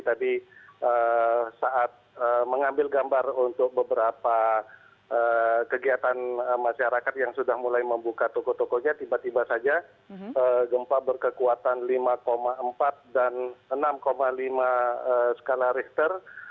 tadi saat mengambil gambar untuk beberapa kegiatan masyarakat yang sudah mulai membuka toko tokonya tiba tiba saja gempa berkekuatan lima empat dan enam lima skala richter